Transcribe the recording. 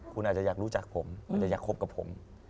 คุณอาจจะอยากรู้จักผมอาจจะอยากคบกับผม